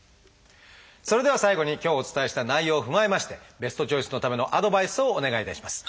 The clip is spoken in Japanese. それでは最後に今日お伝えした内容を踏まえましてベストチョイスのためのアドバイスをお願いいたします。